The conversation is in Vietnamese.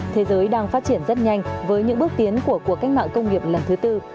thế giới đang phát triển rất nhanh với những bước tiến của cuộc cách mạng công nghiệp lần thứ tư